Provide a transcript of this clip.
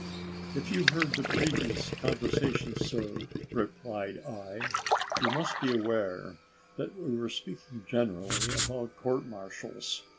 "If you heard the previous conversation, sir," replied I, "you must be aware that we were speaking generally about court martials.